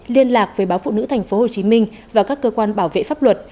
liên lạc với báo phụ nữ tp hồ chí minh và các cơ quan bảo vệ pháp luật